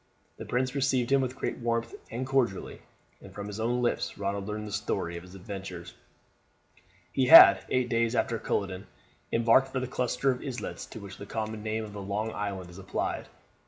The prince received him with great warmth and cordiality, and from his own lips Ronald learned the story of his adventures. He had, eight days after Culloden, embarked for the cluster of islets to which the common name of Long Island is applied.